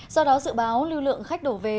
do đó dự báo lưu lượng khách đổ về